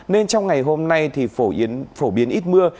nên trong ngày hôm nay thì phổ biến ít mưa